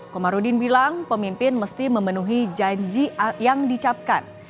komarudin bilang pemimpin mesti memenuhi janji yang dicapkan